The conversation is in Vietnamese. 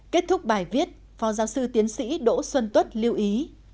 kết thúc bài viết phó giáo sư tiến sĩ đỗ xuân tuất lưu ý